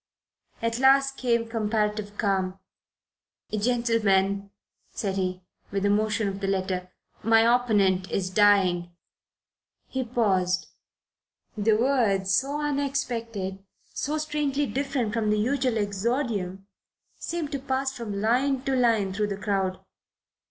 At last came comparative calm. "Gentlemen," said he, with a motion of the letter, "my opponent is dying." He paused. The words, so unexpected, so strangely different from the usual exordium, seemed to pass from line to line through the crowd.